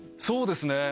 そうですね